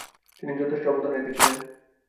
তিনি যথেষ্ট অবদান রেখেছিলেন।